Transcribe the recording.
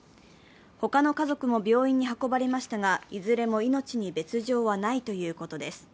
他の家族も病院に運ばれましたがいずれも命に別状はないということです。